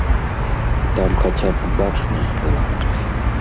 Там хаця б бачнасць была.